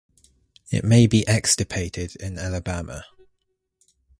It may be extirpated in Alabama.